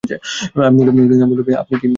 আমি মুহালহিল নাম শুনে বললাম, আপনি কি যায়দুল খাইর?